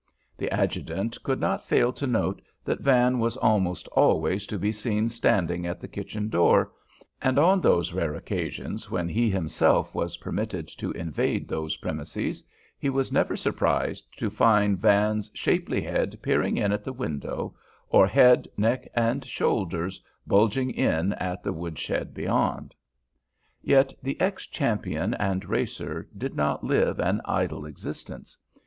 The adjutant could not fail to note that Van was almost always to be seen standing at the kitchen door, and on those rare occasions when he himself was permitted to invade those premises he was never surprised to find Van's shapely head peering in at the window, or head, neck, and shoulders bulging in at the wood shed beyond. Yet the ex champion and racer did not live an idle existence.